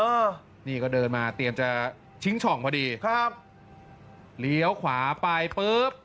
เออนี่ก็เดินมาเตรียมจะทิ้งช่องพอดีครับเลี้ยวขวาไปปุ๊บ